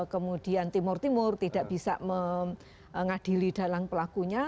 kemudian timur timur tidak bisa mengadili dalang pelakunya